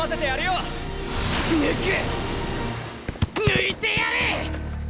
抜いてやる！